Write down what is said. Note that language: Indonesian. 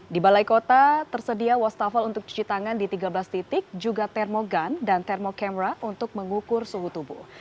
di balai kota tersedia wastafel untuk cuci tangan di tiga belas titik juga termogan dan termocamera untuk mengukur suhu tubuh